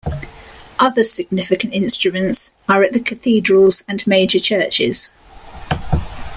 Other significant instruments are at the cathedrals and major churches.